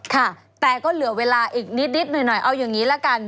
ค่ะแต่ก็เหลือเวลาอีกนิดหน่อยเอาอย่างนี้ละกัน